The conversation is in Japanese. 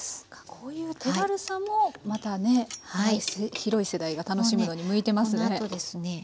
こういう手軽さもまたね広い世代が楽しむのに向いてますね。